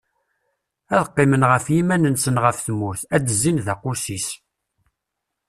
Ad qqimen ɣef yiman-nsen ɣef tmurt, ad d-zzin d aqusis.